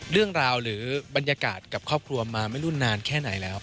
เรื่องราวหรือบรรยากาศกับครอบครัวมาไม่รู้นานแค่ไหนแล้ว